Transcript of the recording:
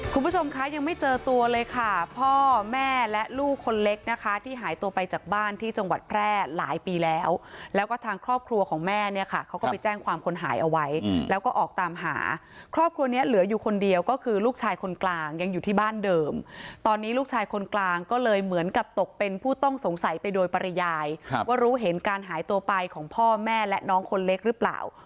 คุณผู้ชมคะยังไม่เจอตัวเลยค่ะพ่อแม่และลูกคนเล็กนะคะที่หายตัวไปจากบ้านที่จังหวัดแพร่หลายปีแล้วแล้วก็ทางครอบครัวของแม่เนี่ยค่ะเขาก็ไปแจ้งความคนหายเอาไว้แล้วก็ออกตามหาครอบครัวเนี้ยเหลืออยู่คนเดียวก็คือลูกชายคนกลางยังอยู่ที่บ้านเดิมตอนนี้ลูกชายคนกลางก็เลยเหมือนกับตกเป็นผู้ต้องสงสัยไปโดยปริยายว่ารู้เห็นการหายตัวไปของพ่อแม่และน้องคนเล็กหรือเปล่า